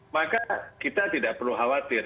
maka kita tidak perlu khawatir